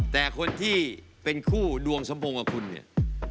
แต่คนที่เป็นคู่ดวงสมพงษ์กับคุณเนี่ย